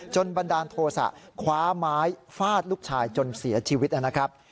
บันดาลโทษะคว้าไม้ฟาดลูกชายจนเสียชีวิตนะครับ